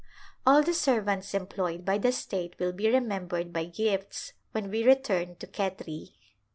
All the servants employed by the state will be remembered by gifts when we return to Khetri.